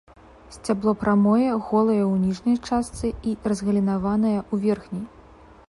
Сцябло прамое, голае ў ніжняй частцы і разгалінаванае ў верхняй.